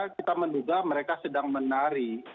kita menduga mereka sedang menari